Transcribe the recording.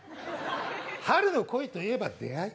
春の恋といえば出会い。